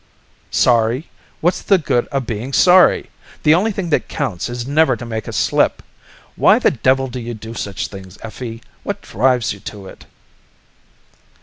"Sorry? What's the good of being sorry? The only thing that counts is never to make a slip! Why the devil do you do such things, Effie? What drives you to it?"